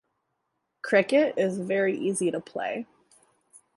Cricket is very easy to play.